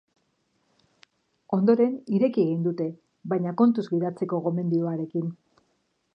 Ondoren, ireki egin dute, baina kontuz gidatzeko gomendioarekin.